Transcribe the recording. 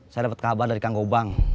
saya dapat kabar dari kang gobang